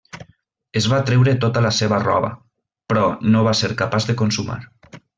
Es va treure tota la seva roba, però no va ser capaç de consumar.